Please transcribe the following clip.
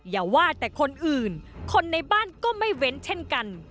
อย่าว่าแต่คนอื่นคนในบ้านก็ไม่เว้นเช่นกัน